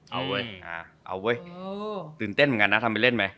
เอาเว้ยเอาเว้ยตื่นเต้นเหมือนกันนะทำไปเล่นไหม